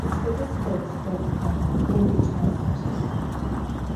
Sıd fede sport lhepkha vo vuiç'aser?